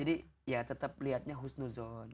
jadi ya tetap lihatnya who's no zone